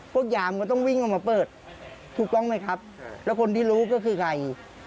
ยามก็ต้องวิ่งออกมาเปิดถูกต้องไหมครับแล้วคนที่รู้ก็คือใคร